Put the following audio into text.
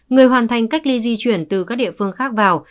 người hoàn thành cách ly di chuyển từ các địa phương khác vào